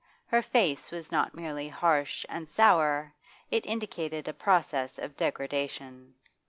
Her face was not merely harsh and sour, it indicated a process of degradation.